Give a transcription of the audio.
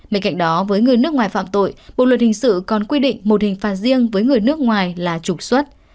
bên cạnh đó với người nước ngoài phạm tội bộ luật hình sự còn quy định một hình phạt riêng với người nước ngoài là trục xuất